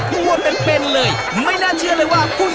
โอ้โฮผู้ชาย